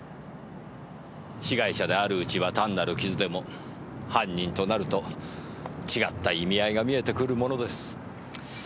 被害者であるうちは単なる傷でも犯人となると違った意味合いが見えてくるものです。